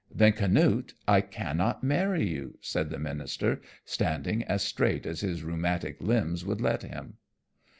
"Then, Canute, I cannot marry you," said the minister, standing as straight as his rheumatic limbs would let him.